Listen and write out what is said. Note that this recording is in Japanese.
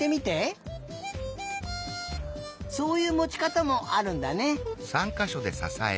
そういうもちかたもあるんだね。